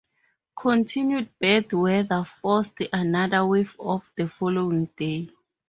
Continued bad weather forced another wave-off the following day.